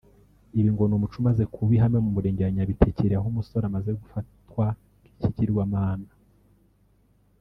Ibi ngo ni umuco umaze kuba ihame mu Murenge wa Nyabitekeri aho umusore amaze gufatwa nk’ikigirwamana